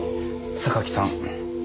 榊さん。